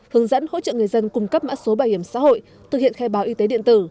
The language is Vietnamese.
hướng dẫn hỗ trợ người dân cung cấp mã số bảo hiểm xã hội thực hiện khai báo y tế điện tử